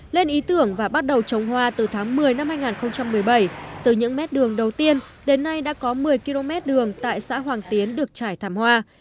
lên ý tưởng và bắt đầu trồng hoa từ tháng một mươi năm hai nghìn một mươi bảy từ những mét đường đầu tiên đến nay đã có một mươi km đường tại xã hoàng tiến được trải thảm hoa